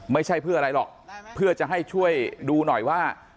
ไม่ใช่เพื่ออะไรหรอกเพื่อจะให้ช่วยดูหน่อยว่า